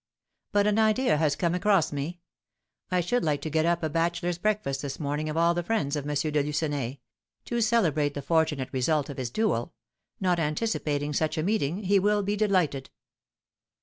But an idea has come across me; I should like to get up a bachelors' breakfast this morning of all the friends of M. de Lucenay, to celebrate the fortunate result of his duel; not anticipating such a meeting, he will be delighted."